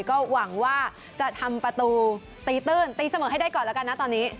ก็หวังว่าจะทำประตูตีตื้นตีเสมอให้ได้ก่อนแล้วกันนะตอนนี้